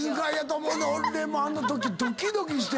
俺もうあのときドキドキして。